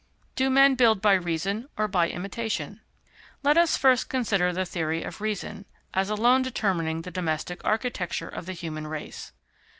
Do Men build by Reason or by Imitation? Let us first consider the theory of reason, as alone determining the domestic architecture of the human race.